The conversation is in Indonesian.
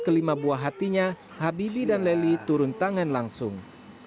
kelima buah hatinya habibie dan leli turun tangan langsung